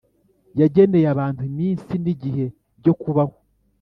Yageneye abantu iminsi n’igihe byo kubaho,